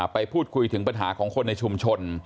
ไปพูดคุยถึงปัญหาของคนในชุมชน